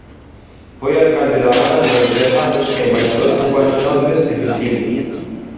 Foi alcalde da Habana durante dez anos e embaixador cubano en Londres e Helsinqui.